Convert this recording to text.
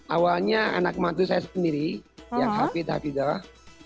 awalnya anak matu saya sendiri yang hafidz hafidzah